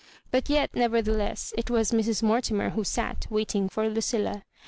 But yet, nevertheless, it was Mrs. Mor timer who sat waiting for Lucilla.